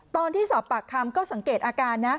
ตอนที่สอบปากคำก็สังเกตอาการนะ